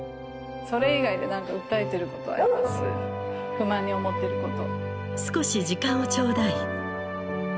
不満に思ってること。